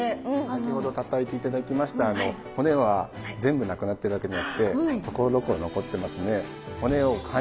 先ほどたたいていただきました骨は全部なくなっているわけじゃなくてところどころ残ってますのであっそうなんですか。